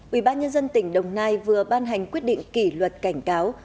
ủy ban nhân dân tỉnh đồng nai vừa ban hành quyết định kỷ luật cảnh cáo